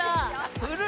古い。